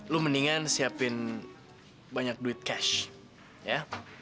lu mendingan siapin banyak duit cash ya